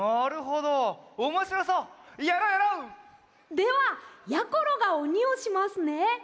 ではやころがおにをしますね。